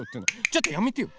ちょっとやめてよ！